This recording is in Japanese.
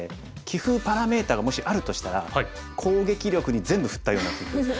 棋風パラメーターがもしあるとしたら攻撃力に全部振ったような棋風です。